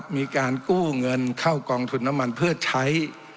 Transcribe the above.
มีการกู้เงินเข้ากองทุนน้ำมันเพื่อใช้